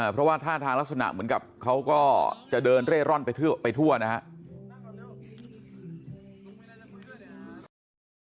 เพราะว่าท่าทางลักษณะเหมือนกับเขาก็จะเดินเร่ร่อนไปทั่วนะครับ